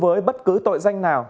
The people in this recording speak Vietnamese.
với bất cứ tội danh nào